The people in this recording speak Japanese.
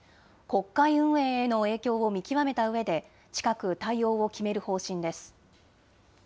国会運営への影響を見極めたうえで近く対応を決める方針です。